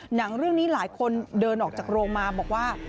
หนังเรื่องนี้หลายคนเดินออกจากโรงมาบอกว่า